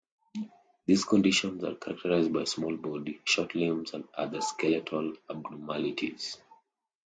These conditions are characterized by a small body, short limbs, and other skeletal abnormalities.